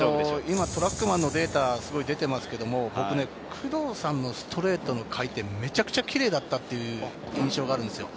トラックマンのデータが出ていますけれど、工藤さんのストレートの回転、めちゃくちゃキレイだったという印象があるんですよ。